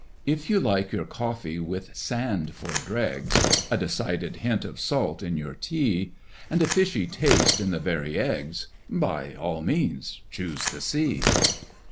If you like your coffee with sand for dregs, A decided hint of salt in your tea, And a fishy taste in the very eggs— By all means choose the Sea.